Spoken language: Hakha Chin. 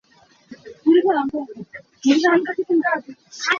Sifahnak ram ah saupi kan rak um.